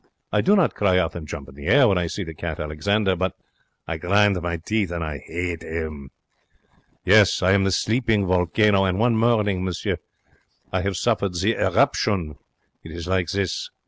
I do not cry out and jump in the air when I see the cat Alexander, but I grind my teeth and I 'ate 'im. Yes, I am the sleeping volcano, and one morning, monsieur, I have suffered the eruption. It is like this.